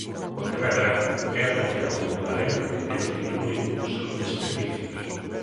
Pontevedra é a terceira urbe galega na que menos diminúen os seus desperdicios.